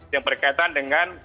yang berkaitan dengan